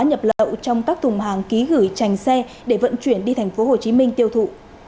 nhập lậu trong các thùng hàng ký gửi trành xe để vận chuyển đi tp hcm tiêu thụ